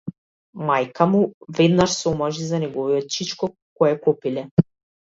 Мајка му веднаш се омажи за неговиот чичко, кој е копиле.